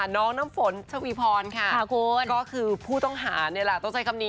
น้องน้ำฝนชวีพรค่ะ